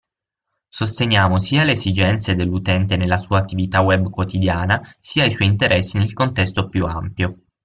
Sosteniamo sia le esigenze dell'utente nella sua attività web quotidiana sia i suoi interessi nel contesto più ampio.